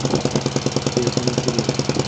Juda yoqdi serial.